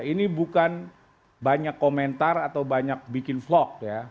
ini bukan banyak komentar atau banyak bikin vlog ya